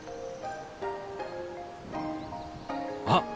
あっ！